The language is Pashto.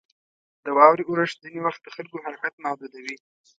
• د واورې اورښت ځینې وخت د خلکو حرکت محدودوي.